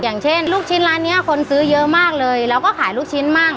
อย่างเช่นลูกชิ้นร้านนี้คนซื้อเยอะมากเลยเราก็ขายลูกชิ้นมั่ง